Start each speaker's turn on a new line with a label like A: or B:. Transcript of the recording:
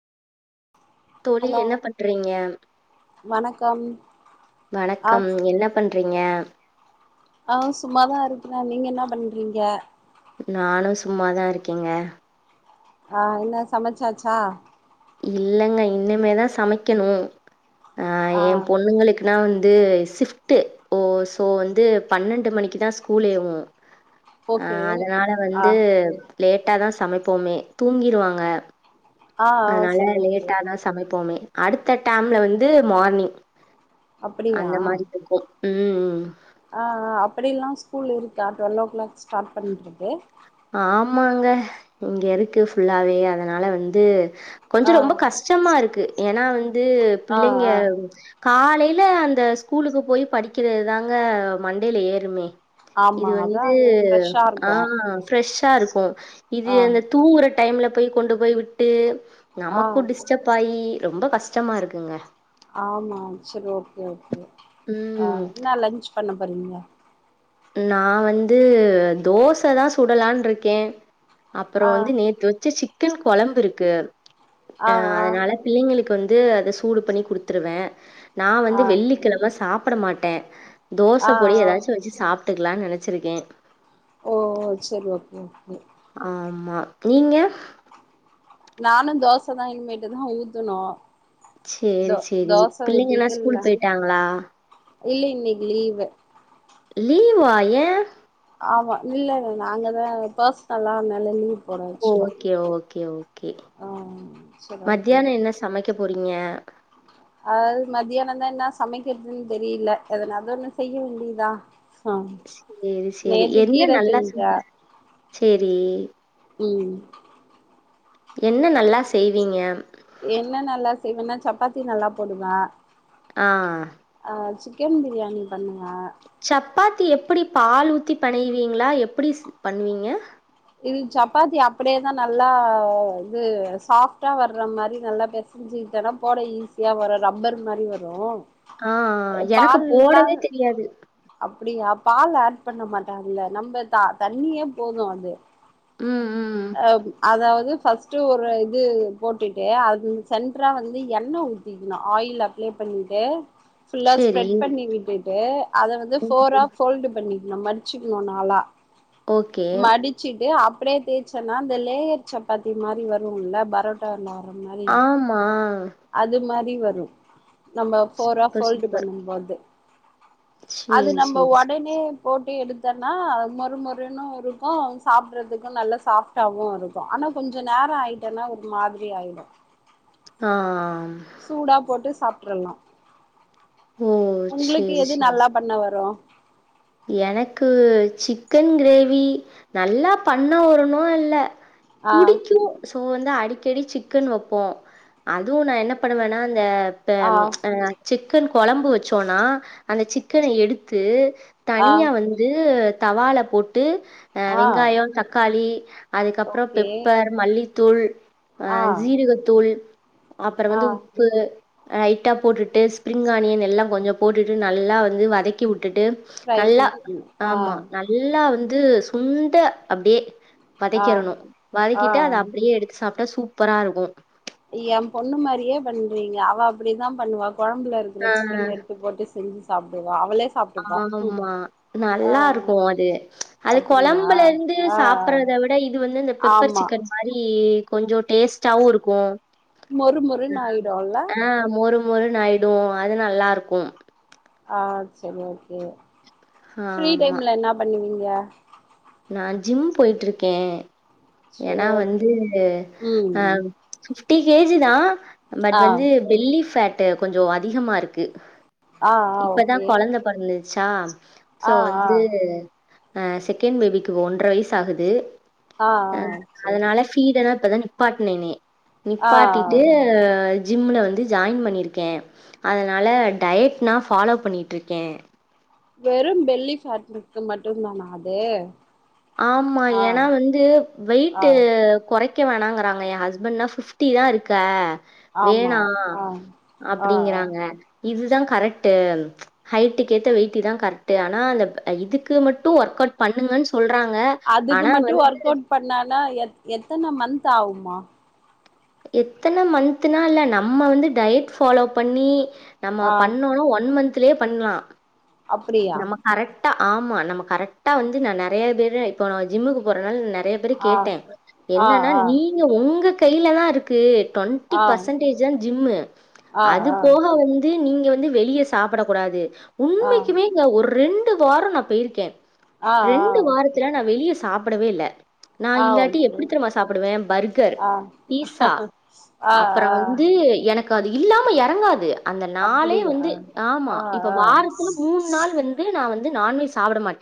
A: தோழி
B: ஹலோ
A: என்ன பண்றீங்க
B: வணக்கம் ஆ
A: வணக்கம் என்னப் பண்றீங்கே
B: அ சும்மாதா இருக்குற நீங்க என்ன பண்றீங்கே
A: நானு சும்மாதா இருக்கேங்க
B: ஆ இன்னா சமச்சாச்சா
A: இல்லங்க இன்னுமே தா சமைக்கணோ அ
B: ஆ
A: ஏ பொண்ணுங்குளுக் நா வந்து ஷிஃப்டு ஓ சோ வந்து பன்னெண்டு மணிக்கு தா ஸ்கூலேவு அ
B: ஓகே
A: அதனால
B: ஆ
A: வந்து லேட்டாதா சமைப்போமே தூங்கிருவாங்க
B: ஆ ஆ
A: அதனால
B: சரி ஓகே
A: லேட்டாதா சமைப்போமே அடுத்த டைம்ல வந்து மார்னிங்
B: அப்படியா
A: அந்த மாரி தெக்கோ ம் ம்
B: ஆ ஆ அப்படீல்லா ஸ்கூல் இருக்கா டுவல்லோ கிளாக் ஸ்டாட் பன்றது
A: ஆமாங்க இங்க இருக்கு ஃபுல்லாவே அதனால வந்து கொஞ்சோ
B: ஆ
A: ரொம்ப கஷ் கூச்சம்மா இருக்கு ஏன்னா வந்து
B: ஆ
A: பிள்ளைங்க
B: ஆ
A: காலைல அந்த ஸ்கூலுக்கு போய் படிக்கறது தாங்க மண்டைல ஏருமே இது
B: ஆமா அதா
A: வந்து
B: அங்க ஃப்ரெஷ்ஷா
A: ஆ
B: இருக்கு
A: ஃப்ரெஷ்ஷா இருக்கோ இது
B: ஆ
A: அந்த தூங்ற டைம்ல போய் கொண்டு போய் விட்டு
B: ஆ
A: நமக்கு டிஸ் ப்பாயி ரொம்ப கஷ்டமா இருக்குங்க
B: ஆமா செரி ஓகே ஓகே
A: ம்
B: அ இன்னா லன்ச்சு பண்ண போறீங்க
A: நா வந்து தோச தா சுடலான் இருக்கே அப்புற
B: ஆ
A: வந்து நேத்து வச்ச சிக்கன் கொழம்பு இருக்கு அ
B: ஆ
A: அதனால பிள்ளைங்களுக்கு வந்து அத சூடு பண்ணி குடுத்துருவ நா வந்து
B: ஆ
A: வெள்ளிகெழம சாப்ட மாட் ட தோச
B: ஆ
A: பொடி
B: ஆ
A: ஏதாச்சு வச்சி சாப்ட்டுக்கலான் நனைச்சிருக்கே
B: ஓ செரி ஓகே ஓகே
A: ஆமா நீங்க
B: நானு தோச தா இனிமேட்டு தா ஊத்தனு
A: சேரி சேரி பிள்ளைங்க எல்லா
B: ஊத்திட்டு இல்ல
A: ஸ்கூல் போயிட்டாங்களா
B: இல்ல இன்னைக்கு லீவு
A: லீவா ஏ
B: ஆமா இல்ல நாங்கதா பர்சனலா அனால லீவு
A: ஓ ஓகே ஓகே ஓகே
B: ஆ செரி ஓகே
A: மத்தியானோ என்ன சமைக்க போறீங்க
B: அதாது மத்தியான தா என்ன சமைக்கிறதுன் தெரியில எதனாது ஒன்னு செய்ய வேண்டியதா ஆ
A: செரி செரி
B: நேத்து
A: என்ன
B: கீர
A: நல்லா செய்
B: செஞ்சே
A: சேரி
B: ம்
A: என்ன நல்லா செய்வீங்க
B: என்ன நல்லா செய்வனா சப்பாத்தி நல்லா போடுவ
A: ஆ
B: அ சிக்கன் பிரியாணி பண்ணுவ
A: சப்பாத்தி எப்டி பால் ஊத்தி பெனைவீங்களா எப்டி பண்ணுவீங்க
B: இது சப்பாத்தி அப்டியேதா நல்லா இது சாஃப்டா வர்ற மாரி நல்லா பெச புரிஞ்சுக்கிட்டனா போட ஈஸியா வரு ரப்பர் மாரி வரு
A: ஆ ஆ எனக்கு போடவே தெரியாது
B: அப்டியா பால் ஆட் பண்ண மாட்டாங்கல்ல நம்ப த தண்ணியே போது அது
A: ம் ம்
B: அ அதாது ஃபஸ்ட் ஃபஸ்ட் ஒரு இது போட்டுட்டு அது சென்ட்ரா வந்து எண்ண ஊத்திக்கிணு ஆயில் அப் அப்லே பண்ணிட்டு ஃபுல்லா
A: சரி.
B: ஸ்ப்ரெட் பண்ணி விட்டுட்டு அத வந்து
A: ம்.
B: ஃபோரா போல்டு பண்ணி ந மடிச்சிக்ணு நாளா
A: ஓகே.
B: மடிச் வச்சிட்டு அப்டியே தேச்சன்னா அந்த லேயர் சப்பாத்தி மாரி வருல்ல பரோட்டால வர மாரி
A: ஆ
B: அது மாரி வரு நம்ம ஃபோரா
A: சூப்பர்,
B: ஃபோல்டு
A: சூப்பர்.
B: பண்ணும்போது அது
A: சரி,
B: நம்ப
A: சரி, சரி.
B: ஒடனே போட்டு எடுத்தன்னா மொறு மொறுன்னு இருக்கு சாப்றதுக்கு நல்லா சாஃப் சாப்டாவு இருக்கு ஆனா கொஞ்சோ நேர ஆயிட்டேன்னா ஒரு மாதிரி ஆயிடு
A: ஆ ஆ
B: சூடா போட்டு சாப்ட்ரலா
A: ஓ!
B: உங்களுக்கு
A: சரி,
B: எது
A: சரி.
B: நல்லா பண்ண வரு
A: எனக்கு சிக்கன் கிரேவி நல்லா பண்ண வருணு இல்ல
B: ஆ
A: து சோ வந்து அடிக்கடி சிக்கன் வப்போ அதுவு நா என்ன பண்ணுவனா அந்த இப்ப
B: ஆ
A: அ சிக்கன் கொழம்பு வச்சோனா அந்த சிக்கன எடுத்து
B: ஆ
A: தனியா வந்து தவால போட்டு அ
B: ஆ
A: வெங்காயொ தக்காளி அதுக்கப்றோ
B: ஓகே
A: பெப்பர் மல்லித்தூள் அ
B: ஆ
A: ஜீரகத்தூள் அப்பற
B: ஆ
A: வந்து உப்பு லைட்டா போட்டுட்டு ஸ்ப்ரிங் ஆனியன் எல்லா கொஞ்சோ போட்டுட்டு நல்லா வந்து வதக்கி உட்டுட்டு
B: ட்ரை
A: நல்லா
B: பண்ண
A: ஆமா
B: ஆ
A: நல்லா வந்து சுண்ட அப்டியே
B: ஆ
A: வதக்கிறணு
B: ஆ
A: வதக்கிட்டு அத அப்டியே எடுத்து சாப்ட்டா சூப்பரா இருக்கு
B: ஏ பொண்ணு மாரியே பண்றீங்க அவ அப்படிதா பண்ணுவா குழம்புல இருக்கிற
A: ஆ
B: சிக்கன எடுத்து போட்டு செஞ்சு சாப்டுவா அவளே சாப்ட்டுப்பா
A: ஆமா
B: ஆ
A: நல்லா இருக்கு அது அது
B: அப்டியா
A: கொழம்புல இருந்து
B: ஆ
A: சாப்றத வி ட இது வந்து இந்த பெப்பர்
B: ஆமா
A: சிக்கன் மாரி கொஞ்சே டேஸ்ட்டாவு இருக்கு
B: மொறு மொறுன்னு ஆயிடுல்ல
A: ஆ மொறு மொறுன்னாயிடு அது நல்லா இருக்கும்
B: ஆ செரி ஓகே ஃப்ரீ
A: ஆமா
B: டைம்ல என்னா பண்ணுவீங்க
A: நா ஜிம் போயிட்ருக்கே
B: சரி
A: ஏன்னா
B: ஓகே
A: வந்து
B: ம்
A: அ
B: ம்
A: ஃபிஃப்டி கேஜி தா பட்
B: ஆ
A: வந்து பெல்லி ஃபேட்டு கொஞ்சோ அதிகமா இருக்கு
B: ஆ ஆ
A: இப்பதா
B: ஓகே
A: கொழந்த பொறந்துச்சா சோ
B: ஆ ஆ
A: வந்து அ செ கன் பேபிக்கு ஒன்ற வய்சாகுது
B: ஆ ஆ
A: அம்
B: சரி
A: அதனால பீடல இப்பதா நிப்பாட்னேனே
B: ஆ
A: நிப்பாட்டிட்டு ஜிம்மில வந்து ஜாயின் பண்ணிருக்கே அதனா டயட் நா ஃபாலோ பண்ணிட்ருக்கே
B: வெறு பெல்லி ஃபேட்டுக்கு மட்டுந்தானா அது
A: ஆம்மா
B: ஆ
A: ஏன்னா வந்து வெய்ட்டு்
B: ஆ
A: கொறை க்க வேணாங்கறாங்க எ ஹஸ்பண்ட்ன்னா ஃபிப்டி தா இருக்க
B: ஆமா
A: வேணா
B: ஆ ஆ ஆ
A: அப்டிங்கறாங்க இதுதா கரெக்டு ஹைட்டுக் ஏத்த வெயிட் இதா கரெக்ட்டு ஆனா இந்த இதுக்கு மட்டு ஒர்க் அவுட் பண்ணுங்கன் சொல்றாங்க
B: அதுக்கு
A: ஆனா
B: மட்டு
A: வந்து
B: ஒர்க் அவுட் பண்ணனா எ எத்தன மந்த் ஆகுமா
A: எத்தன மந்த்னா இல்ல நம்ம வந்து டயட் ஃபாலோ பண்ணி நம்ம
B: ஆ
A: பண்ணொனா ஒன் மந்த்லயே பண்லா
B: அப்படியா
A: நம்ம கரெக்டா ஆமா நம்ம கரெக்டா வந்து நா நெறய பேர இப்ப நா ஜிம்முக்கு போறனால் நெறைய தடவ
B: ஆ
A: கேட்டே
B: ஆ
A: என்னனா
B: ஆ
A: நீங்க உங்க கையில தா இருக்கு டொண்டி
B: ஆ
A: பர்சன்டேஜ் தா ஜிம்மு
B: ஆ
A: அது
B: ஆ
A: போக வந் து நீங்க வந்து வெளியே சாப்படக் கூடாது
B: ஆ
A: உண்மைக்குமே ஒ ஓர் ரெண்டு வார நா பெய்ருக்கே
B: ஆ ஆ
A: ரெண்டு
B: ஓகே
A: வாரத்துல நா வெளிய சாப்டவே இல்ல நா
B: ஆ
A: இல்லாட்டி
B: ஓகே
A: எப்டி தெரிமா சாப்டுவே பர்கர்
B: ஆ
A: பீஸ் ஸா
B: ஆ ஆ
A: அப்பறோ வந்து எனக்கு அது இல்லாம எறங்காது அந்த நாளே
B: அப்படியா
A: வந்து ஆமா
B: ஆ
A: இப்போ வாரத்துல
B: ஆ
A: மூணு நாள் வந்து நா வந்து நான்வெஜ் சாப்பட மாட்டே